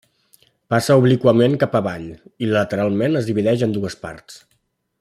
Passa obliquament cap avall i, lateralment, es divideix en dues parts.